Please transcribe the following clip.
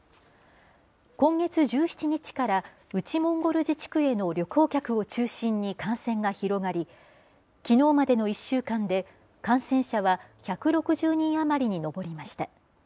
今月１７日から内モンゴル自治区への旅行客を中心に感染が広がり、きのうまでの１週間で、感染者は１６０人余りに上りました。